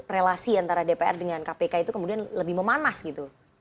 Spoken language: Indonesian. relasi antara dpr dengan kpk itu kemudian lebih memanas gitu